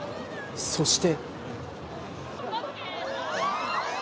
そして。